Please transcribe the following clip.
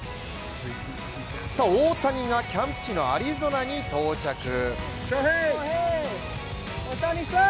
大谷がキャンプ地のアリゾナに到着。